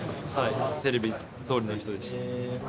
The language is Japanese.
テレビどおりの人でした。